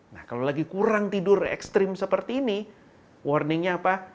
nah kalau lagi kurang tidur ekstrim seperti ini warningnya apa